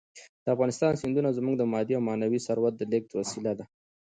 د افغانستان سیندونه زموږ د مادي او معنوي ثروت د لېږد وسیله ده.